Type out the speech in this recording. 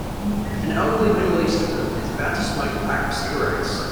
An elderly middleeastern woman is about to smoke a pack of cigarettes.